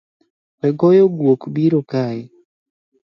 Wegoyo guok biro kayi